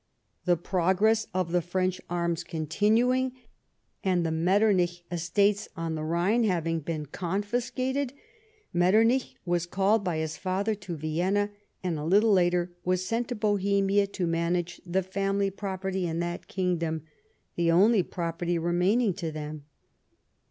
The progress of the French arms continuing, and the Metternich estates on the Rhine having been confiscated, Metternich was called by his father to Vienna, and, a little later, was sent to Bohemia to manage the family property in that kingdom — the only property remaining to them.